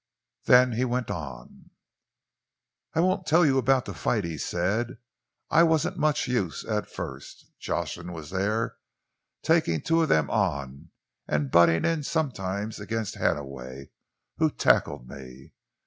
Then he went on. "I won't tell you about the fight," he said. "I wasn't much use at first. Jocelyn was there, taking two of them on, and butting in sometimes against Hannaway, who'd tackled me.